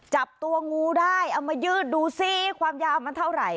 จับตัวงูได้เอามายืดดูสิความยาวมันเท่าไหร่